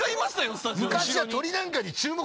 スタジオに。